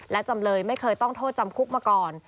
และจำเลยไม่เคยต้องโทษจำคุกมาก่อน